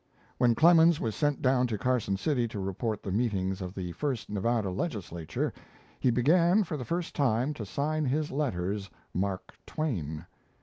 When Clemens was sent down to Carson City to report the meetings of the first Nevada Legislature, he began for the first time to sign his letters "Mark Twain."